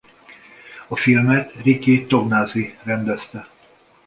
A filmet Ricky Tognazzi rendezte.